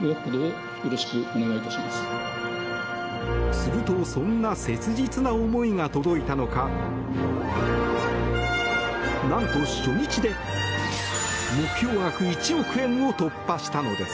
するとそんな切実な思いが届いたのかなんと初日で目標額１億円を突破したのです。